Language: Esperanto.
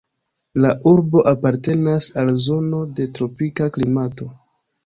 La urbo apartenas al zono de tropika klimato.